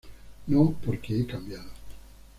No porque he cambiado.